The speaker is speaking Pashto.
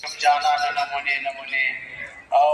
یوه ورځ چي سوه تیاره وخت د ماښام سو